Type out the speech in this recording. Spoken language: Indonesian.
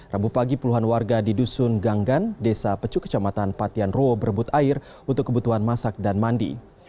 rabu pagi puluhan warga di dusun ganggan desa pecu kecamatan patiano berebut air untuk kebutuhan masak dan mandi